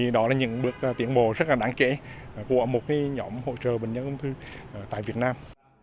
đó là những bước tiến bộ rất đáng kể của một nhóm hỗ trợ bệnh nhân ung thư tại việt nam